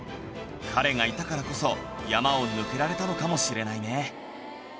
彼がいたからこそ山を抜けられたのかもしれないね